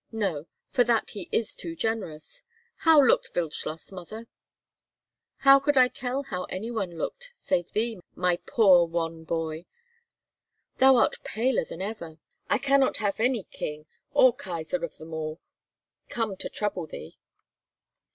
No, for that he is too generous. How looked Wildschloss, mother?" "How could I tell how any one looked save thee, my poor wan boy? Thou art paler than ever! I cannot have any king or kaisar of them all come to trouble thee."